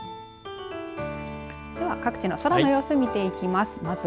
では、各地の空の様子見ていきます。